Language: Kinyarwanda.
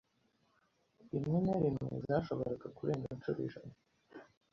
rimwe na rimwe zashoboraga kurenga inshuro ijana